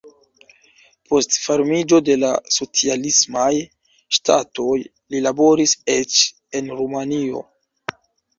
Post formiĝo de la socialismaj ŝtatoj li laboris eĉ en Rumanio.